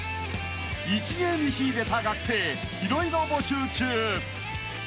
［一芸に秀でた学生色々募集中］